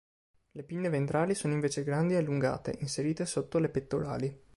Le pinne ventrali sono invece grandi e allungate, inserite sotto le pettorali.